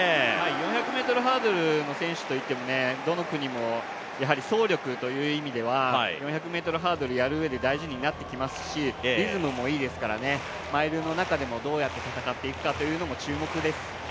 ４００ｍハードルの選手といってもどの国も走力という意味では４００ｍハードルやるうえで大事になってきますしリズムもいいですから、マイルの中でもどうやって戦っていくかというのも注目です。